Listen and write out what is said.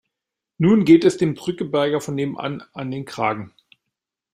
Nun geht es dem Drückeberger von nebenan an den Kragen.